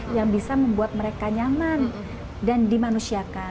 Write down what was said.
karena kita melihat dari permasalahan di masyarakat